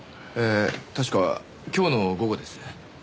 えー確か今日の午後です。